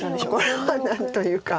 これは何というか。